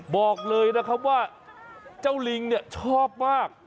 บอกเลยนะครับว่าเจ้าลิงเนี่ยชอบมาก